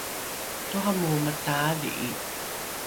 toramoro mataadhi’i